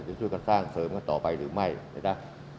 พี่สู้กันสร้างเสริมกันต่อไปหรือไม่ใช่จ๊ะ